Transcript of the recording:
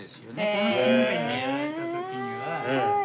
この近辺でやられた時には。